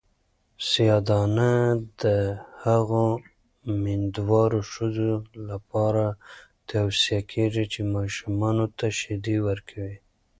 سیاه دانه د هغو میندوارو ښځو لپاره توصیه کیږي چې ماشومانو ته شیدې ورکوي.